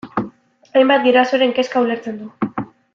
Hainbat gurasoren kezka ulertzen du.